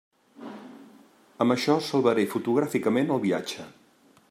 Amb això salvaré fotogràficament el viatge.